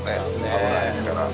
危ないですから。